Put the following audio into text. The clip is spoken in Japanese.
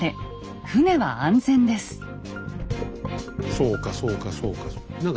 そうかそうかそうかそうか。